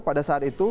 pada saat itu